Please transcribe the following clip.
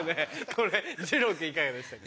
これじろう君いかがでしたか？